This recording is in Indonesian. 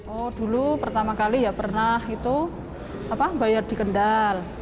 oh dulu pertama kali ya pernah itu bayar di kendal